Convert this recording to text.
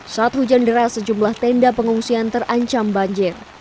saat hujan deras sejumlah tenda pengungsian terancam banjir